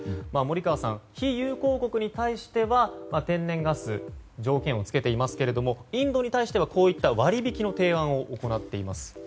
森川さん、非友好国に対しては天然ガス、条件を付けていますけれどもインドに対してはこういった割引きの提案を行っています。